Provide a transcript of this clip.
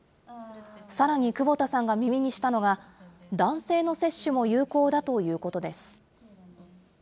さらに久保田さんが耳にしたのが、男性の接種も有効だということです。